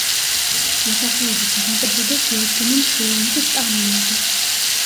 მოსახლეობის უმეტესობას შეადგენენ შრი-ლანკის ტამილები.